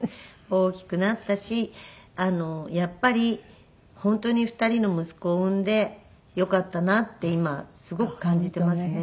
大きくなったしやっぱり本当に２人の息子を産んでよかったなって今すごく感じていますね。